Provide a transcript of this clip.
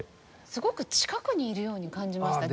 すごく近くにいるように感じました。